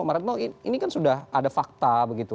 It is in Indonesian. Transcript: mbak retno ini kan sudah ada fakta begitu